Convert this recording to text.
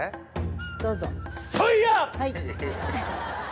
どうぞ。